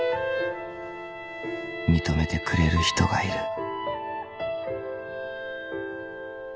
［認めてくれる人がいる］